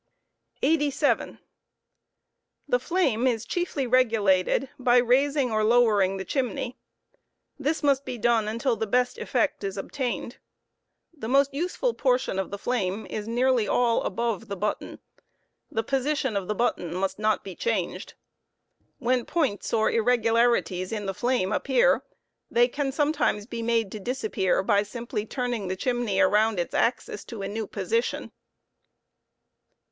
• Begaiatiogtba 87. The flame is chiefly regulated by raising or lowering the chimney. This must be done until the best effect is obtained. The most useful portion of the flame is j 13 jarly all above the button j tiro position of tlie but ton must not be changed. When Bbfs or irregularities in the llame appear, they can sometimes be made to disappear r simply turning the chimney around its axis to a new position.